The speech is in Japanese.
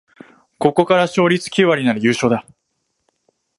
ここから勝率九割なら優勝だ